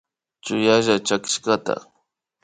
Chuyalla chakishkata